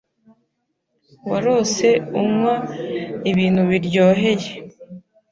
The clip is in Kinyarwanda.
warose unkwa ibintu biryoheye